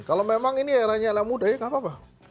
kalau memang ini eranya anak muda ya gak apa apa